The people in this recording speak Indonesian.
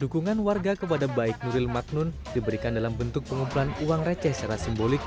dukungan warga kepada baik nuril magnun diberikan dalam bentuk pengumpulan uang receh secara simbolik